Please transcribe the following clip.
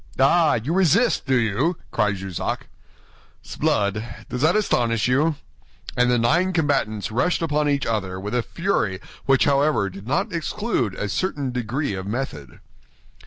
"Ah! You resist, do you?" cried Jussac. "S'blood; does that astonish you?" And the nine combatants rushed upon each other with a fury which however did not exclude a certain degree of method.